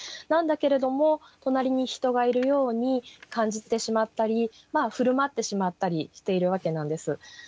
なんだけれども隣に人がいるように感じてしまったり振る舞ってしまったりしているわけなんです。